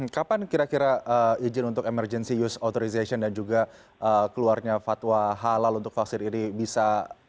kapan kira kira izin untuk emergency use authorization dan juga keluarnya fatwa halal untuk vaksin ini bisa